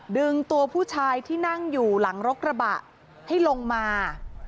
ดึงตัวผู้ชายที่นั่งอยู่หลังรถกระบะให้ลงมา